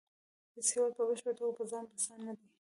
هیڅ هیواد په بشپړه توګه په ځان بسیا نه دی